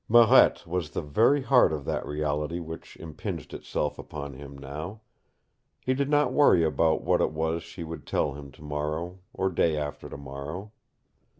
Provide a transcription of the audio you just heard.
Marette was the very heart of that reality which impinged itself upon him now. He did not worry about what it was she would tell him tomorrow, or day after tomorrow.